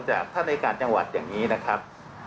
จากพนักงานจังหวัดแหล่งนี้นะครับ